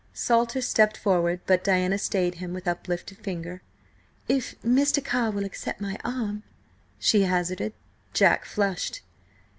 Salter stepped forward, but Diana stayed him with uplifted finger. "If Mr. Carr will accept my arm?" she hazarded. Jack flushed.